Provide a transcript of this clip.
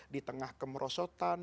di tengah kemerosotan